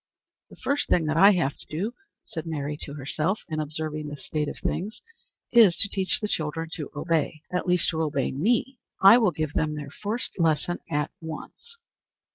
"The first thing that I have to do," said Mary to herself, in observing this state of things, "is to teach the children to obey at least to obey me. I will give them their first lesson at once."